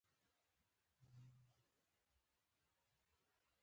ډګروال خپل افسر راوغوښت او ورته یې امر وکړ